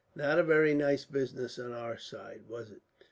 "Not a very nice business on our side, was it?